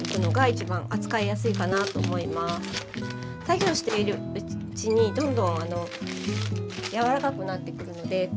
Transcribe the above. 作業しているうちにどんどんあのやわらかくなってくるので。